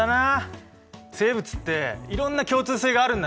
生物っていろんな共通性があるんだね。ね。